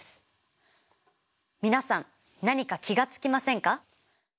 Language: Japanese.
皆さん何か気が付きませんか？